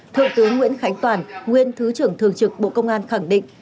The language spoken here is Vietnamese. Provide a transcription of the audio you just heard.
thượng tướng nguyễn khánh toàn nguyên thứ trưởng thường trực bộ công an khẳng định